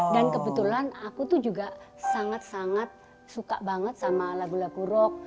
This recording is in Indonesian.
dan kebetulan aku juga sangat sangat suka banget sama lagu lagu rock